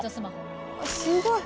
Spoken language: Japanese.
すごい。